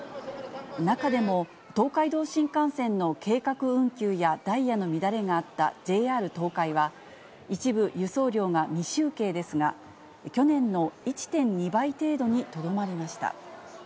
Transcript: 中でも東海道新幹線の計画運休やダイヤの乱れがあったＪＲ東海は、一部輸送量が未集計ですが、去年の１．２倍程度にとどまりました。